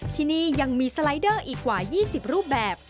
ที่นี่ยังมีสไลเดอร์อีกกว่า๒๐รูปแบบ